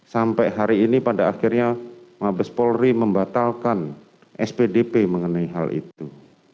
sampai hari ini pada akhirnya mabes polri membatalkan spdp mengenai hal itu